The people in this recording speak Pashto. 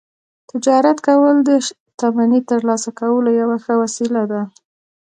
تجارت کول د شتمنۍ ترلاسه کولو یوه ښه وسیله وه